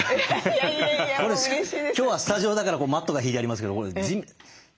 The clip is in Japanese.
今日はスタジオだからマットが敷いてありますけどこれ土ですからね。